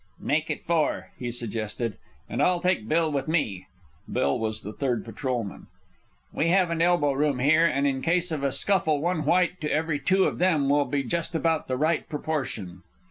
"Make it four," he suggested, "and I'll take Bill with me." (Bill was the third patrolman.) "We haven't elbow room here, and in case of a scuffle one white to every two of them will be just about the right proportion."